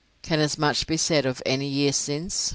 Can as much be said of any year since?